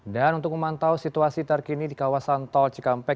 dan untuk memantau situasi terkini di kawasan tol cikampek